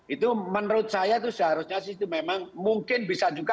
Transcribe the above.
itu menurut saya itu seharusnya sih itu memang mungkin bisa juga